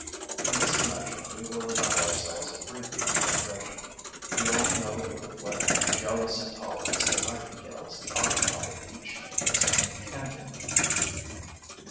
In this connection, we will allow ourselves a brief digression. We all know with what jealous intolerance the nightingales occupy each his own cantonment.